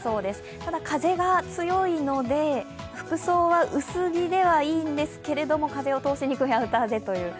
ただ風が強いので服装は薄着でもいいんですけれども、風を通しにくいアウターで。